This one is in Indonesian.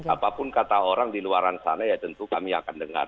apapun kata orang di luar sana ya tentu kami akan dengar